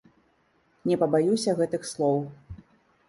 Не пабаюся гэтых слоў.